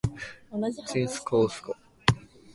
ちんすこうすこ